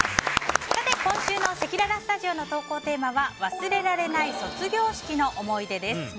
今週のせきららスタジオの投稿テーマは忘れられない卒業式の思い出です。